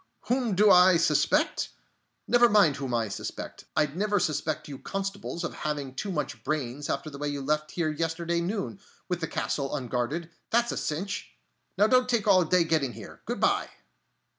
Whom do I suspect? Never mind whom I suspect. I'd never suspect you constables of having too much brains after the way you left here yesterday noon, with the castle unguarded, that's a cinch!... Now don't take all day getting here. Good by!"